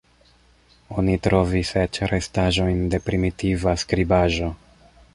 Oni trovis eĉ restaĵojn de primitiva skribaĵo.